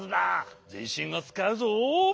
ぜんしんをつかうぞ。